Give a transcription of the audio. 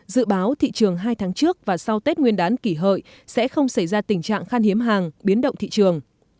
dự báo thị trường hai tháng trước và sau tết nguyên đán kỷ hợi sẽ không xảy ra tình trạng khan hiếm hàng biến động thị trường